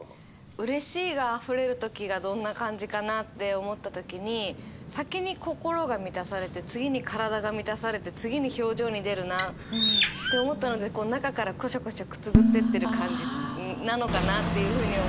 うれしいがあふれる時がどんな感じかなって思った時に先に心が満たされて次に体が満たされて次に表情に出るなって思ったのでこう中からコショコショくすぐってってる感じなのかなっていうふうに思って。